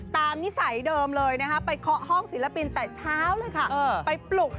ตามนิสัยเดิมเลยค่ะไปเคาะห้องศิลปินแต่เช้าเลยค่ะ